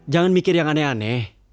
jangan mikir yang aneh aneh